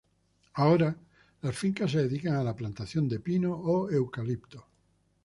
Ahora las fincas se dedican a la plantación de pino o eucalipto.